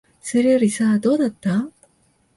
それよりさ、どうだった？